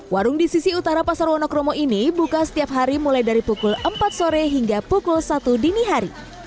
warung di sisi utara pasar wonokromo ini buka setiap hari mulai dari pukul empat sore hingga pukul satu dini hari